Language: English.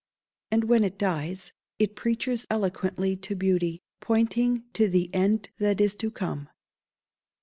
And when it dies, it preaches eloquently to beauty, pointing to the end that is to come!